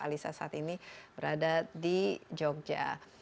alisa saat ini berada di jogja